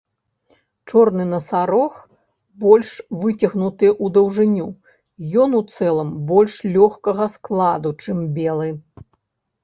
Чорны насарог больш выцягнуты ў даўжыню, ён у цэлым больш лёгкага складу, чым белы.